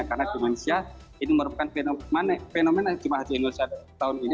karena demensia ini merupakan fenomen jemaah haji indonesia tahun ini